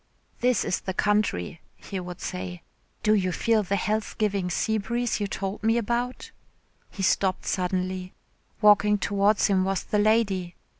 "This is the country," he would say. "Do you feel the health giving sea breeze you told me about?" He stopped suddenly. Walking towards him was the lady.